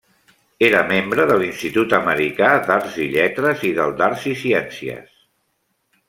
Era membre de l'Institut Americà d'Arts i Lletres i del d'Arts i Ciències.